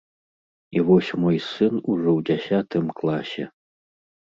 І вось мой сын ужо ў дзясятым класе.